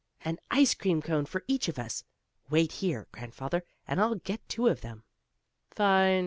An ice cream cone for each of us. Wait here, grandfather, and I'll get two of them." "Fine!"